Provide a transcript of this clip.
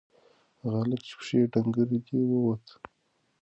هغه هلک چې پښې یې ډنگرې دي ووت.